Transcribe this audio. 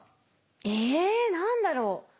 え何だろう？